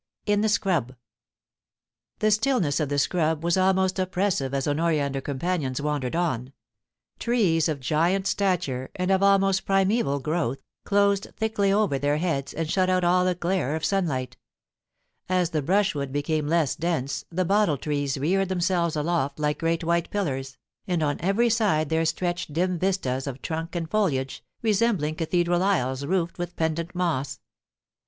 IN THE SCRUB. The stillness of the scrub was almost oppressive as Honoria and her companions wandered on. Trees of giant stature, and of almost primeval growth, closed thickly over their heads, and shut out all the glare of sunlight As the brush wood became less dense the bottle trees reared themselves aloft like great white pillars, and on every side there stretched ■dim vistas of trunk and foliage, resembling cathedral aisles roofed with pendent moss.